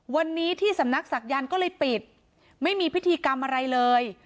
วันนี้ที่สำนักศักยันต์ก็เลยปิดไม่มีพิธีกรรมอะไรเลย